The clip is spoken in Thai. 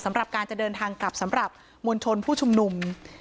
สำหรับการจะเดินทางกลับสำหรับมวลชนผู้ชุมนุม